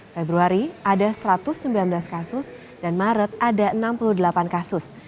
februari ada satu ratus sembilan belas kasus dan maret ada enam puluh delapan kasus